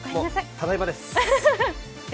ただいまです。